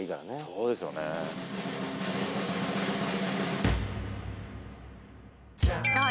そうですよねああ